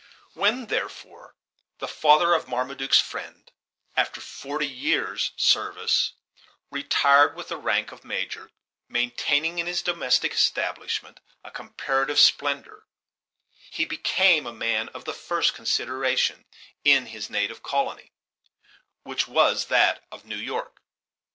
When, therefore, the father of Marmaduke's friend, after forty years' service, retired with the rank of major, maintaining in his domestic establishment a comparative splendor, he be came a man of the first consideration in his native colony which was that of New York.